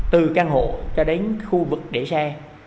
từ căn hộ cho đến khu vực để xe